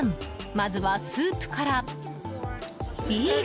まずはスープから。